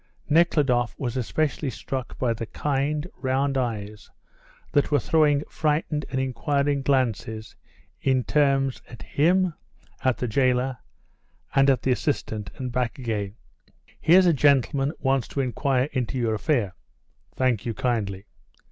Nekhludoff was specially struck by the kind, round eyes that were throwing frightened and inquiring glances in turns at him, at the jailer, and at the assistant, and back again. "Here's a gentleman wants to inquire into your affair." "Thank you kindly."